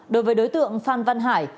đối với đối tượng phan văn hải